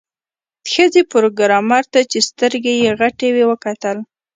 ښځې پروګرامر ته چې سترګې یې غټې وې وکتل